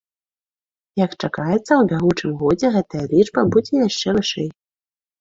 Як чакаецца, у бягучым годзе гэтая лічба будзе яшчэ вышэй.